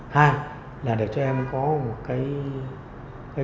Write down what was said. hai là để cho em có một cơ hội tốt hơn